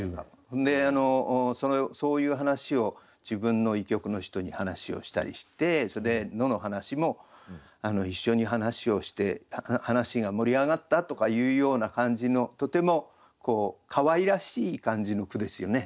でそういう話を自分の医局の人に話をしたりしてそれで野の話も一緒に話をして話が盛り上がったとかいうような感じのとてもかわいらしい感じの句ですよね。